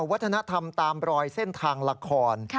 วัฒนธรรมตามรอยเส้นทางละคร